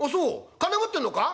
金持ってんのか？」。